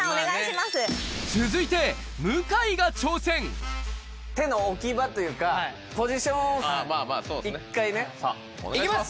続いて手の置き場というかポジションを一回ね。いきます！